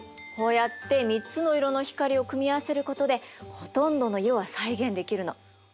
こうやって３つの色の光を組み合わせることでほとんどの色は再現できるの。